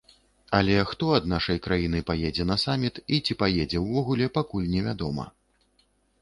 Але хто ад нашай краіны паедзе на саміт і ці паедзе ўвогуле, пакуль невядома.